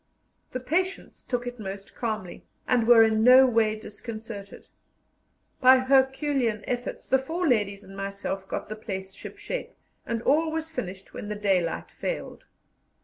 The patients took it most calmly, and were in no way disconcerted. By Herculean efforts the four ladies and myself got the place shipshape, and all was finished when the daylight failed.